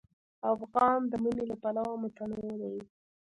افغانستان د منی له پلوه متنوع دی.